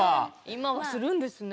いまはするんですね。